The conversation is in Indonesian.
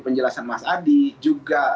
penjelasan mas adi juga